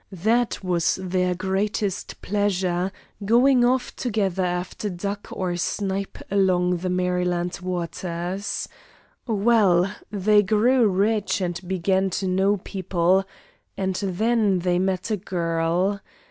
That was their greatest pleasure, going off together after duck or snipe along the Maryland waters. Well, they grew rich and began to know people; and then they met a girl.